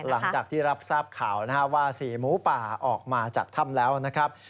หลังจากที่รับทราบข่าวนะครับว่า๔หมูป่าออกมาจากถ้ำแล้วนะครับ